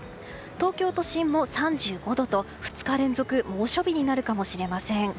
東京都心も３５度と２日連続の猛暑日になるかもしれません。